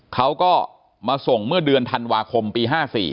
เขาก็มาส่งเมื่อเดือนธันวาคมปี๕๔